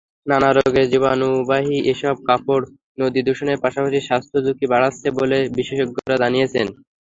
নানা রোগের জীবাণুবাহী এসব কাপড় নদীদূষণের পাশাপাশি স্বাস্থ্যঝুঁকি বাড়াচ্ছে বলে বিশেষজ্ঞরা জানিয়েছেন।